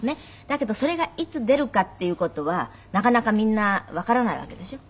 だけどそれがいつ出るかっていう事はなかなかみんなわからないわけでしょ？